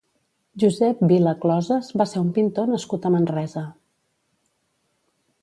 Josep Vila Closes va ser un pintor nascut a Manresa.